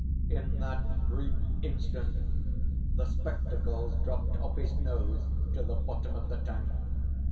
In that brief instant the spectacles dropped off his nose to the bottom of the tank.